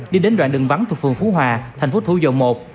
đi đến đoạn đường vắng thuộc phường phú hòa thành phố thủ dầu một